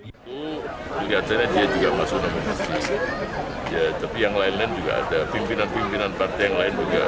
itu kelihatannya dia juga masuk nominasi tapi yang lain lain juga ada pimpinan pimpinan partai yang lain juga